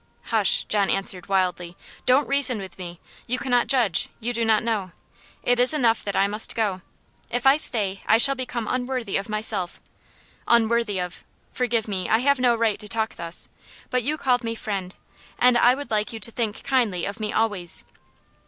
"Hush!" John answered, wildly. "Don't reason with me you cannot judge you do not know. It is enough that I must go. If I stay I shall become unworthy of myself, unworthy of Forgive me, I have no right to talk thus; but you called me 'friend,' and I would like you to think kindly of me always.